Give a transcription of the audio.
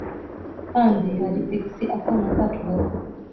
kandi hari pixie akana kacu gato.